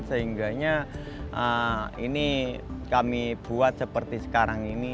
sehingganya ini kami buat seperti sekarang ini